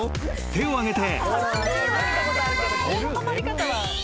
手を挙げて］